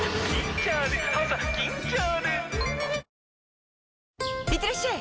いってらっしゃい！